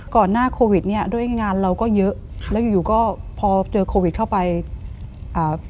หน้าโควิดเนี้ยด้วยงานเราก็เยอะค่ะแล้วอยู่อยู่ก็พอเจอโควิดเข้าไปอ่า